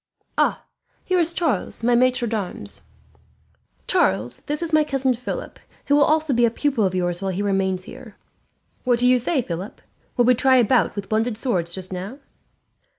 "Ah! Here is Charles, my maitre d'armes. "Charles, this is my cousin Philip, who will also be a pupil of yours while he remains here. "What do you say, Philip? Will we try a bout with blunted swords just now?"